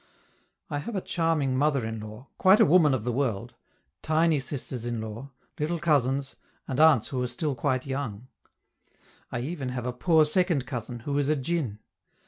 I have a charming mother in law quite a woman of the world tiny sisters in law, little cousins, and aunts who are still quite young. I have even a poor second cousin, who is a djin.